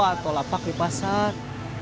atau lapak di pasar